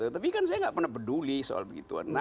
tapi kan saya nggak pernah peduli soal begitu